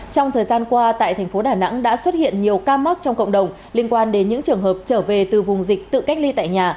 trong thời gian qua tại thành phố đà nẵng đã xuất hiện nhiều ca mắc trong cộng đồng liên quan đến những trường hợp trở về từ vùng dịch tự cách ly tại nhà